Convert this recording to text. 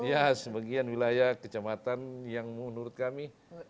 ya sebagian wilayah kecamatan yang menurut kami